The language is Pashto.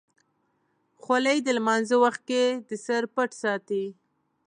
خولۍ د لمانځه وخت کې د سر پټ ساتي.